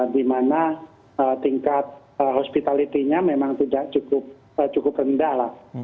di mana tingkat hospitality nya memang tidak cukup rendah lah